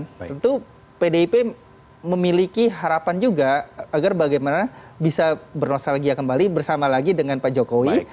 tentu pdip memiliki harapan juga agar bagaimana bisa bernostalgia kembali bersama lagi dengan pak jokowi